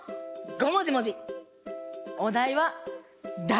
ごもじもじ！